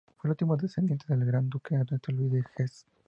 Fue el último descendiente del Gran Duque Ernesto Luis de Hesse.